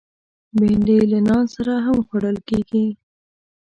بېنډۍ له نان سره هم خوړل کېږي